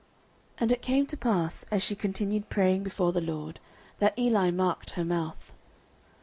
09:001:012 And it came to pass, as she continued praying before the LORD, that Eli marked her mouth.